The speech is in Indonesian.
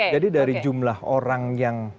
jadi dari jumlah orang yang